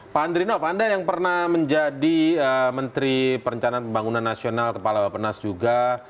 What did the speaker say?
pak andrinov anda yang pernah menjadi menteri perencanaan pembangunan nasional kepala bapak nas juga